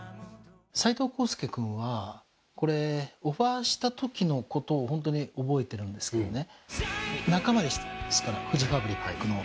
斎藤宏介君はオファーしたときのことをホントに覚えてるんですけどね。